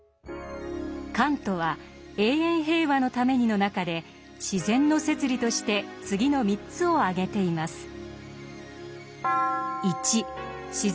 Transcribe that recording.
カントは「永遠平和のために」の中で「自然の摂理」として次の３つを挙げています。